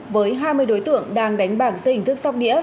với hai mươi đối tượng đang đánh bạc dây hình thức sóc đĩa